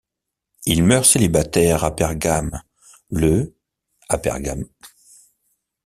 Il meurt célibataire à Bergame le à Bergame.